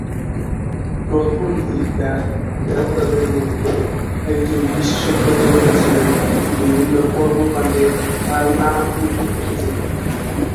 প্রথম দিককার দেবতাদের মধ্যে একজন বিশেষজ্ঞ দেবতা ছিলেন বিভিন্ন কর্মকান্ডে তার নাম উঠে এসেছে।